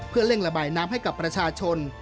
เพื่อเร่งระบายน้ำให้กับประชาชน